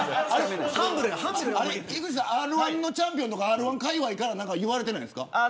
井口さんＲ‐１チャンピオンとかＲ‐１かいわいから何か言われないですか。